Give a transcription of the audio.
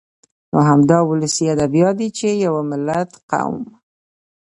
نو همدا ولسي ادبيات دي چې د يوه ملت ، قوم